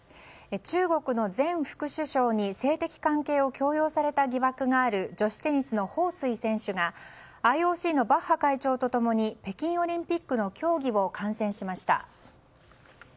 中国の前副首相に性的関係を強要された疑惑がある女子テニスのホウ・スイ選手がＩＯＣのバッハ会長と共に北京オリンピックの競技を観戦しました。